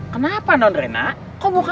kenapa itu mencium aku